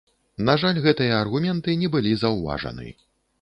На жаль, гэтыя аргументы не былі заўважаны.